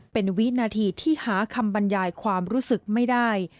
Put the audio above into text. เป็นวินาทีที่หาคำบรรยายความรู้สึกไม่ได้